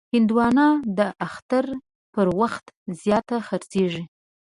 هندوانه د اختر پر وخت زیات خرڅېږي.